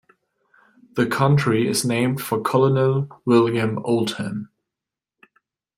The county is named for Colonel William Oldham.